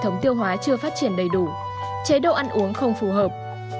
trong hệ tiêu hóa chưa phát triển đầy đủ chế độ ăn uống không phù hợp